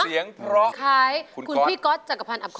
เสียงเพราะคุณก๊อตใครคุณพี่ก๊อตจังกภัณฑ์อัพคอนดุรี